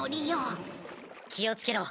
気をつけろ。